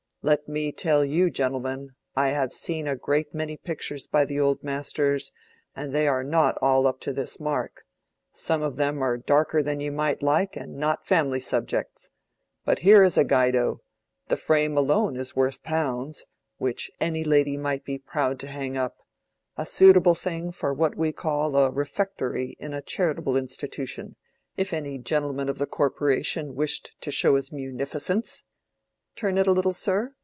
Let me tell you, gentlemen, I have seen a great many pictures by the Old Masters, and they are not all up to this mark—some of them are darker than you might like and not family subjects. But here is a Guydo—the frame alone is worth pounds—which any lady might be proud to hang up—a suitable thing for what we call a refectory in a charitable institution, if any gentleman of the Corporation wished to show his munifi_cence_. Turn it a little, sir?